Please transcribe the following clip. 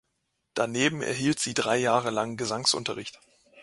Daneben erhielt sie drei Jahre lang Gesangsunterricht.